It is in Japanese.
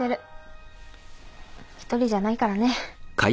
一人じゃないからね。